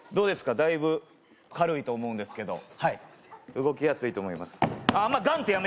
だいぶ軽いと思うんですけどはい動きやすいと思いますあっあんま